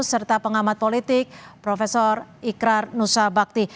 serta pengamat politik prof ikrar nusa bakti